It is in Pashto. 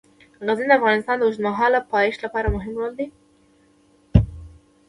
غزني د افغانستان د اوږدمهاله پایښت لپاره مهم رول لري.